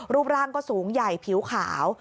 รูปร่างก็สูงใหญ่ผิวขาว